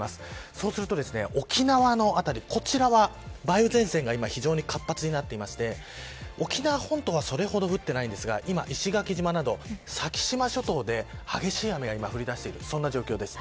そうすると、沖縄の辺りこちらは梅雨前線が今非常に活発になっていまして沖縄本島は、それほど降っていないんですが今石垣島など先島諸島で激しい雨が降りだしている状況です。